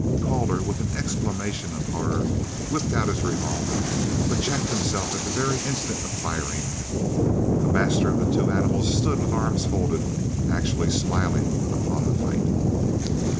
Calder, with an exclamation of horror, whipped out his revolver, but checked himself at the very instant of firing. The master of the two animals stood with arms folded, actually smiling upon the fight!